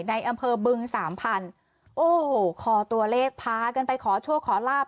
ในอำเภอบึงสามพันธุ์โอ้โหคอตัวเลขพากันไปขอโชคขอลาบ